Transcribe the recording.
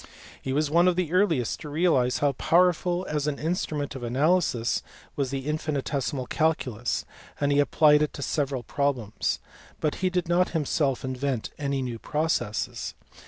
He was one of the earliest to realize how powerful as an instrument of analysis was the infinitesimal calculus, and he applied it to several problems, but he did not himself invent any new processes.